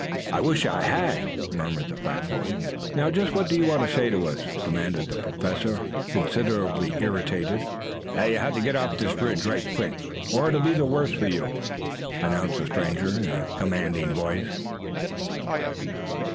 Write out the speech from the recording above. "I wish I had," murmured the fat boy. "Now just what do you want to say to us?" demanded the Professor, considerably irritated. "That you'll have to get off this Ridge right quick or it'll be the worse for you," announced the stranger in a commanding voice.